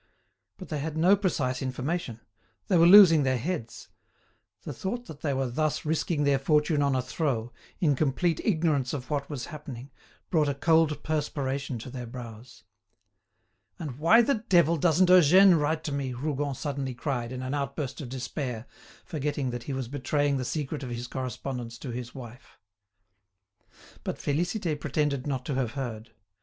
But they had no precise information; they were losing their heads; the thought that they were thus risking their fortune on a throw, in complete ignorance of what was happening, brought a cold perspiration to their brows. "And why the devil doesn't Eugène write to me?" Rougon suddenly cried, in an outburst of despair, forgetting that he was betraying the secret of his correspondence to his wife. But Félicité pretended not to have heard.